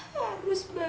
dina gak tau